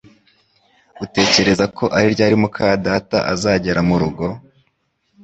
Utekereza ko ari ryari muka data azagera murugo?